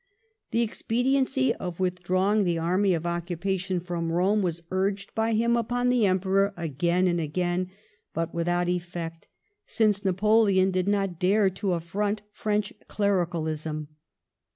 The expediency of withdrawing the army of ooonpation from Rome waa LORD PALMEB8T0N AND ITALY. \99 urged by him upon the Emperor again and again ; but urithout effect, since Napoleon did not dare to affiront French clericalism.